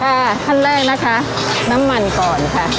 ขั้นแรกนะคะน้ำมันก่อนค่ะ